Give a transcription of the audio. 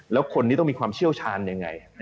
แล้วคนนี้ต้องมีความเชี่ยวชาญยังไง